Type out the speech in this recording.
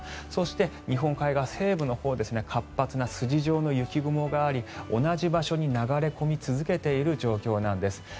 そして、日本海側西部のほう活発な筋状の雪雲があり同じ場所に流れ込み続けている状況なんです。